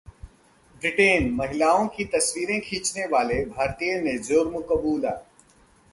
ब्रिटेनः महिलाओं की तस्वीरें खींचने वाले भारतीय ने जुर्म कबूला